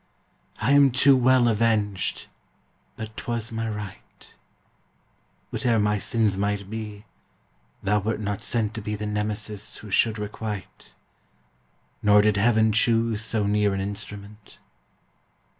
I am too well avenged! but 'twas my right; Whate'er my sins might be, thou wert not sent To be the Nemesis who should requite Nor did Heaven choose so near an instrument.